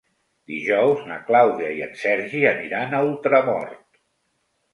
Dijous na Clàudia i en Sergi aniran a Ultramort.